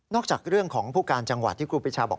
จากเรื่องของผู้การจังหวัดที่ครูปีชาบอก